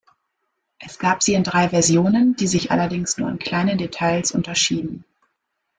Es gab sie in drei Versionen, die sich allerdings nur in kleinen Details unterschieden.